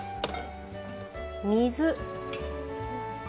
水。